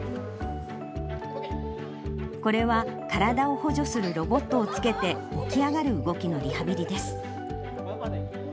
これは体を補助するロボットをつけて、起き上がる動きのリハビリです。